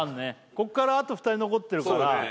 ここからあと２人残ってるからそうね